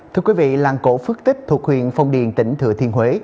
thưa quý vị làng cổ phước tích thuộc huyện phong điền tỉnh thừa thiên huế